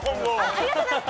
ありがとうございます。